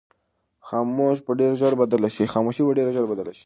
خاموشي به ډېر ژر بدله شي.